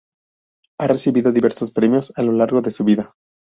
Ha recibido diversos premios a lo largo de su vida.